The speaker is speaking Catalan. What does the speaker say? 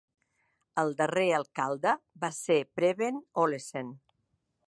El darrer alcalde va ser Preben Olesen.